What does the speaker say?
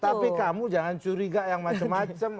tapi kamu jangan curiga yang macem macem